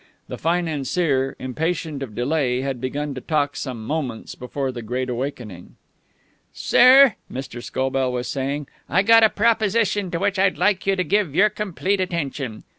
The financier, impatient of delay, had begun to talk some moments before the great awakening. "Sir," Mr. Scobell was saying, "I gotta proposition to which I'd like you to give your complete attention.